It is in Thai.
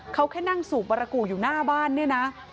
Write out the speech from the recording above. เขาแค่นั่งสูบบรากูอยู่หน้าบ้าน